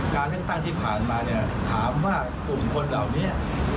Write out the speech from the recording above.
การเลือกตั้งที่ผ่านมาเนี่ยถามว่ากลุ่มคนเหล่านี้